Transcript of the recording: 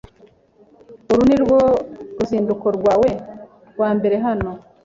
Uru nirwo ruzinduko rwawe rwa mbere hano?